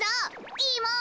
いいもん。